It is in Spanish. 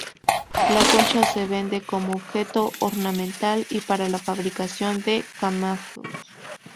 La concha se vende como objeto ornamental y para la fabricación de camafeos.